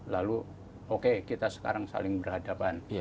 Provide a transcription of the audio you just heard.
lalu oke kita sekarang saling berhadapan